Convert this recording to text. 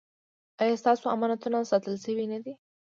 ایا ستاسو امانتونه ساتل شوي نه دي؟